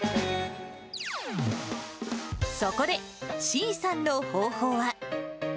そこで、ｓｅａさんの方法は。